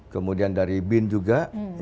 kemudian dari bin juga